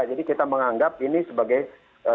jadi kita menganggap ini sebabnya